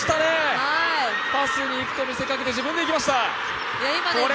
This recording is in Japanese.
パスにいくと見せかけて、自分でいきました！